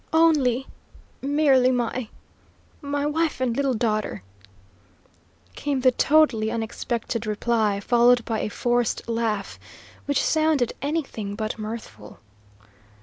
"Only merely my my wife and little daughter," came the totally unexpected reply, followed by a forced laugh which sounded anything but mirthful.